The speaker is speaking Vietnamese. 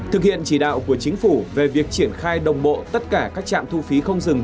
thực hiện chỉ đạo của chính phủ về việc triển khai đồng bộ tất cả các trạm thu phí không dừng